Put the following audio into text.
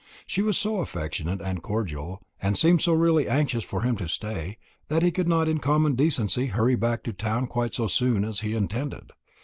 She was so affectionate and cordial, and seemed so really anxious for him to stay, that he could not in common decency hurry back to town quite so soon as he had intended.